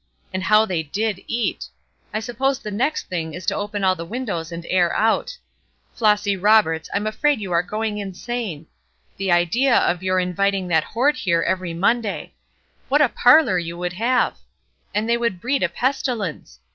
And how they did eat! I suppose the next thing is to open all the windows and air out. Flossy Roberts, I'm afraid you are going insane. The idea of your inviting that horde here every Monday. What a parlor you would have! And they would breed a pestilence!